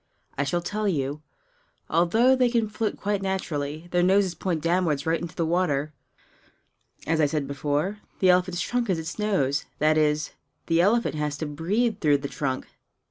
I shall tell you. Although they can float quite naturally, their noses point downward right into the water. As I said before, the elephant's trunk is its nose that is, the elephant has to breathe through the trunk.